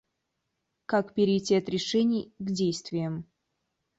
Как перейти от решений к действиям?